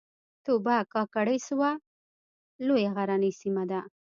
توبه کاکړۍ سوه لویه غرنۍ سیمه ده